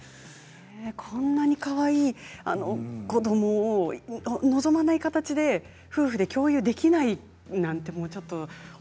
こんなにかわいい子どもを望まない形で夫婦が共有できないなんて。